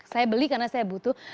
saya beli karena saya butuh